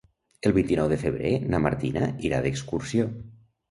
El vint-i-nou de febrer na Martina irà d'excursió.